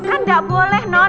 kan nggak boleh non